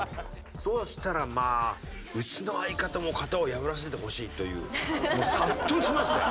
そうしたらまあ「うちの相方も型を破らせてほしい」というもう殺到しまして。